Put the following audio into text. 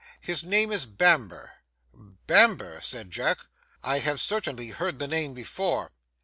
His name is Bamber.' 'Bamber!' said Jack. 'I have certainly heard the name before.